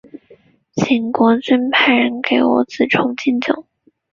请国君派人替我给子重进酒。